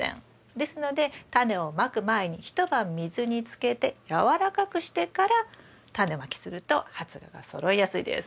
ですのでタネをまく前に一晩水につけて軟らかくしてからタネまきすると発芽がそろいやすいです。